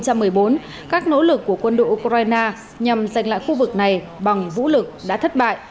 các nỗ lực của quân đội ukraine nhằm giành lại khu vực này bằng vũ lực đã thất bại